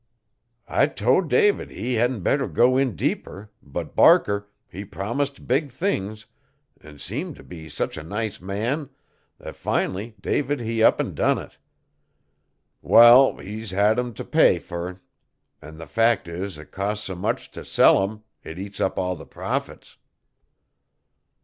I to!' David he hedn't better go in no deeper but Barker, he promised big things an' seemed to be sech a nice man 'at fin'ly David he up 'n done it. Wall he's hed 'em t' pay fer an' the fact is it costs s'much if sell 'em it eats up all the profits.